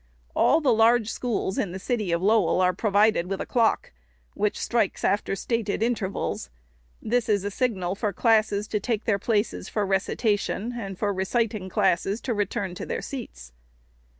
All the large schools in the city of Lowell are provided with a clock, which strikes after stated intervals. This is a signal for classes to take their places for recitation, and for reciting classes to return to their seats.